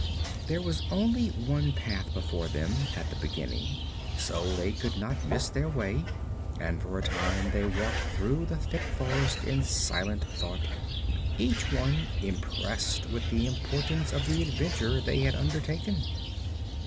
There was only one path before them, at the beginning, so they could not miss their way, and for a time they walked through the thick forest in silent thought, each one impressed with the importance of the adventure they had undertaken.